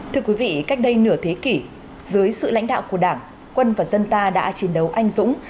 thưa quý vị cách đây nửa thế kỷ dưới sự lãnh đạo của đảng quân và dân ta đã chiến đấu anh dũng